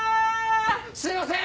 すいません！